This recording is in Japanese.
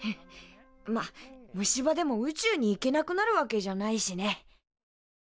まあ虫歯でも宇宙に行けなくなるわけじゃないしね。